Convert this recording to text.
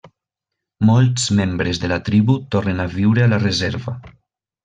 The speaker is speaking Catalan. Molts membres de la tribu tornen a viure a la reserva.